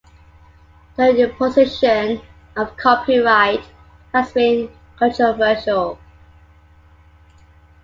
The imposition of copyright has been controversial.